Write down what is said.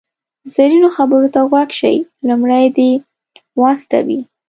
زرینو خبرو ته غوږ شئ، لومړی دې و استوئ.